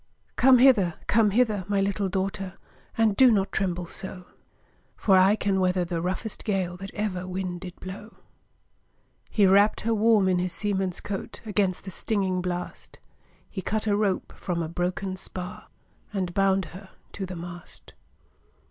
'Come hither! come hither! my little daughtèr. And do not tremble so; For I can weather the roughest gale That ever wind did blow.' He wrapp'd her warm in his seaman's coat Against the stinging blast; He cut a rope from a broken spar, And bound her to the mast.